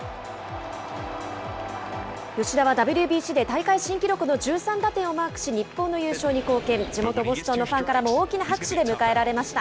吉田はＷＢＣで大会新記録の１３打点をマークし、日本の優勝に貢献、地元ボストンのファンからも大きな拍手で迎えられました。